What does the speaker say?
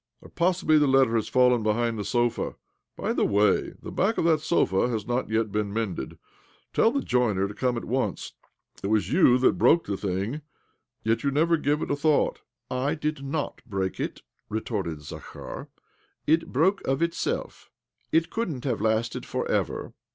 Or possibly the letter has fallen behind the sofa? By the way, the back of that sofa has not yet been mended. Tell the joiner to come at once. It was you that broke the thing, yet you never give it a thought !"" I did not break it," retorted Zakhar. " It broke of itself. It couldn't have lasted for ever.